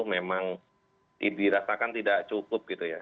memang dirasakan tidak cukup gitu ya